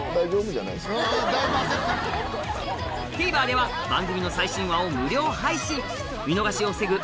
ＴＶｅｒでは番組の最新話を無料配信見逃しを防ぐ